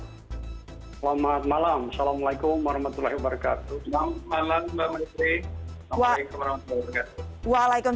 selamat malam assalamualaikum wr wb